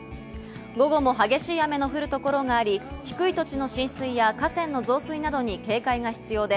午後も激しい雨の降る所があり、低い土地の浸水や河川の増水などに警戒が必要で、